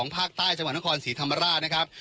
ภาคใต้จังหวัยเนื้อครอว์ลศรีธรรมราชนะครับ